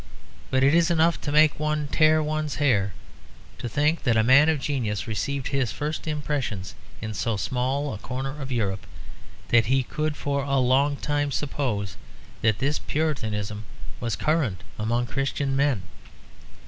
But it is enough to make one tear one's hair to think that a man of genius received his first impressions in so small a corner of Europe that he could for a long time suppose that this Puritanism was current among Christian men.